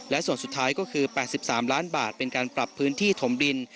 และส่วนสุดท้ายก็คือ๘๓ล้านบาทเป็นการปรับพื้นที่ถมดิน